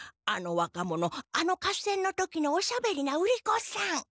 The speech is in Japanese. あの若者あの合戦の時のおしゃべりな売り子さん。